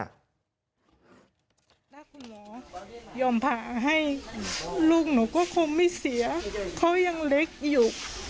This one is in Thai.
แล้วคุณหมอยอมผ่าให้ลูกหนูก็คงไม่เสียเขายังเล็กอยู่